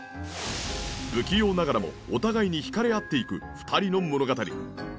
不器用ながらもお互いに惹かれ合っていく２人の物語。